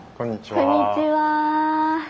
こんにちは。